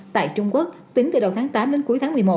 tại trung quốc tính từ đầu tháng tám đến cuối tháng một mươi một